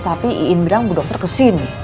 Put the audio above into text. tapi iin bilang bu dokter kesini